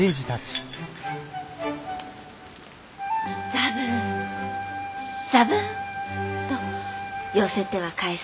ザブンザブンと寄せては返す波。